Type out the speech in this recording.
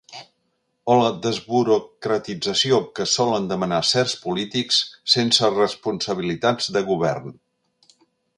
O la desburocratització que solen demanar certs polítics sense responsabilitats de govern.